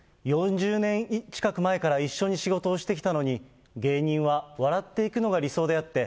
４０年近く前から一緒に仕事をしてきたのに、芸人は笑っていくのが理想であって、